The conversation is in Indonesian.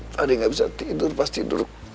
tadi nggak bisa tidur pas tidur